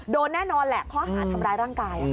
แน่นอนแหละข้อหาทำร้ายร่างกาย